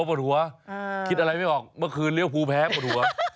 ปวดหัวคิดอะไรไม่ออกเมื่อคืนเลี้ยวภูแพ้ปวดหัว